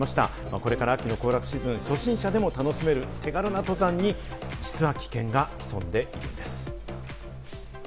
これから秋の行楽シーズン、初心者でも楽しめる手軽な登山に、実は危険が潜んでいるんです。